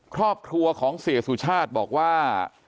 ครอบครัวของเสียสุชาติบอกว่า